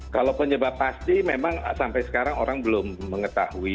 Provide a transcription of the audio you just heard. kalau penyebab pasti memang sampai sekarang orang belum mengetahui